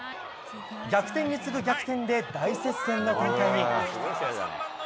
逆転に次ぐ逆転で大接戦の展開に。